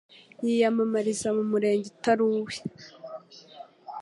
yiyamamariza mu Murenge utari uwe